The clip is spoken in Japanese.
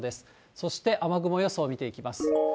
そして雨雲予想見ていきます。